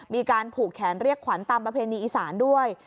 มีการผูกแขนเรียกขวัญตามประเพณีอีสานด้วย